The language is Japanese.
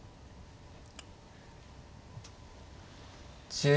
１０秒。